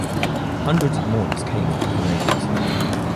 Hundreds of mourners came at the cremation site.